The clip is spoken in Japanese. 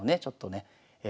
ちょっとね